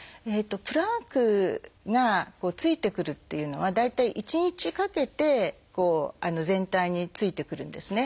プラークがついてくるっていうのは大体１日かけて全体についてくるんですね。